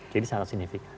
jadi sangat signifikan